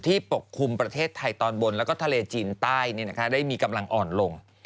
ปกคลุมประเทศไทยตอนบนแล้วก็ทะเลจีนใต้ได้มีกำลังอ่อนลง